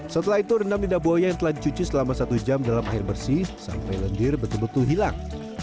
setelah itu rendam lidah buaya yang telah dicuci selama satu jam dalam air bersih sampai lendir betul betul hilang